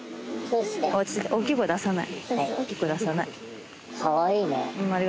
大きい声出さない。